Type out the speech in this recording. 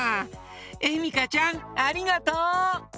えみかちゃんありがとう！